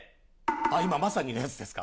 今まさにのやつですか。